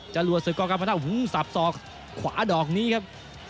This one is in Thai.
จะหลัวสืบกองกำลังสับสอกขวาดอกนี้ครับ